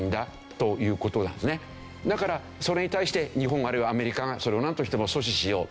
だからそれに対して日本あるいはアメリカがそれをなんとしても阻止しよう。